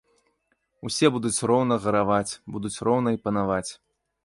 Усе будуць роўна гараваць, будуць роўна і панаваць.